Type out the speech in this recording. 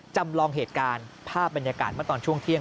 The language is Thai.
จำลองเหตุการณ์ภาพบรรยากาศเมื่อตอนช่วงเที่ยง